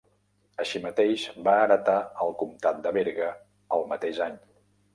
Així mateix va heretar el comtat de Berga el mateix any.